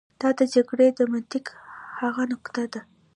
دا د جګړې د منطق هغه نقطه ده.